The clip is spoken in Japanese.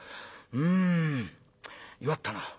うん弱ったな。